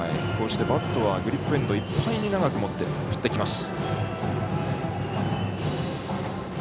バットはグリップエンドいっぱいに長く持って振ってきます。